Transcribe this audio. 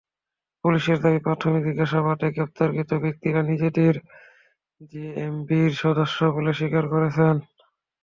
পুলিশের দাবি, প্রাথমিক জিজ্ঞাসাবাদে গ্রেপ্তারকৃত ব্যক্তিরা নিজেদের জেএমবির সদস্য বলে স্বীকার করেছেন।